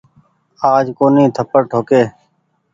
آج ڪونيٚ ٿپڙ ٺوڪي۔